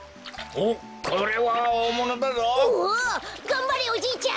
おがんばれおじいちゃん